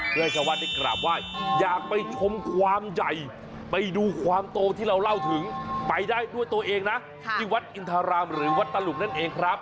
เพื่อให้ชาวบ้านได้กราบไหว้อยากไปชมความใหญ่ไปดูความโตที่เราเล่าถึงไปได้ด้วยตัวเองนะที่วัดอินทรารามหรือวัดตลุกนั่นเองครับ